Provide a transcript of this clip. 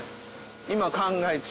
今考え中。